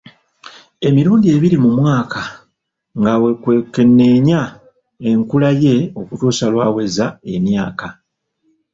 Emirundi ebiri mu mwaka nga wekwekenneenya enkula ye okutuusa lw'aweza emyaka.